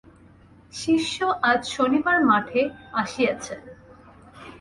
শিষ্য আজ শনিবার মঠে আসিয়াছে।